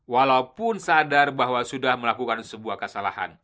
walaupun sadar bahwa sudah melakukan sebuah kesalahan